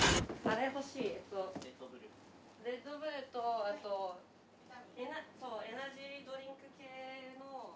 レッドブルとあとエナジードリンク系の。